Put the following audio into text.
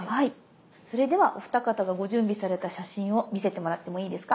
それではお二方がご準備された写真を見せてもらってもいいですか？